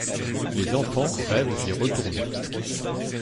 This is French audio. Les enfants rêves d'y retourner.